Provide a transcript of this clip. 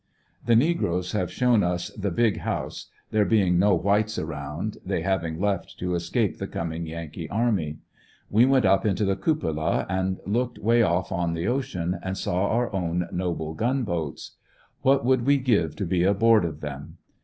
The negroes have shown us the big house, there being no whites around, they having left to escape the coming Yankee army. We went up into the cupola and looked way oft' on the ocean, and saw our owm noble gunboats. What would we give to be aboard of them?